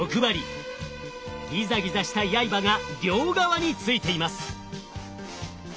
ギザギザしたやいばが両側に付いています。